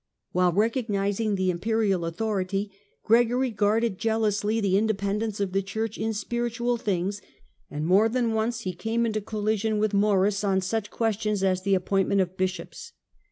While recognising the Imperial authority, Gregory guarded jealously the independence of the Church in spiritual things, and more than once he came into collision with Maurice on such questions as the appointment of bishops.